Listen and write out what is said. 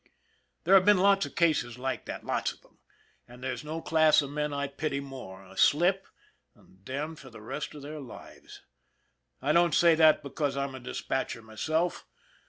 There have been lots of cases like that, lots of them, and there's no class of men I pity more a slip, and damned for the rest of their lives ! I don't say that because I'm a dispatcher myself.